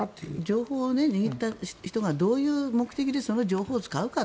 情報を握った人がどういう目的でその情報を使うか。